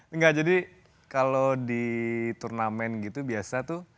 enggak jadi kalau di turnamen gitu biasa tuh